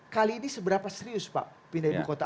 kali ini seberapa serius pak pindah ibu kota